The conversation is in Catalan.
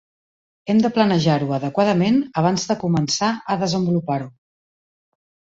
Hem de planejar-ho adequadament abans de començar a desenvolupar-ho.